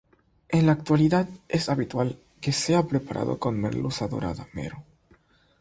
En la actualidad es habitual que sea preparado con merluza, dorada, mero.